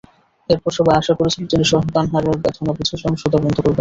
এরপর সবাই আশা করেছিল, তিনি সন্তানহারার বেদনা বুঝে সহিংসতা বন্ধ করবেন।